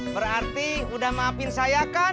berarti udah maafin saya kan